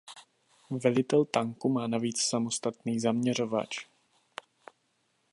Velitel tanku má navíc samostatný zaměřovač.